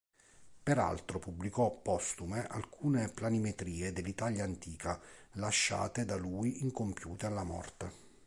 Peraltro pubblicò postume alcune planimetrie dell'Italia antica lasciate da lui incompiute alla morte.